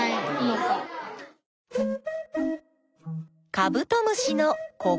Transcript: カブトムシのここ。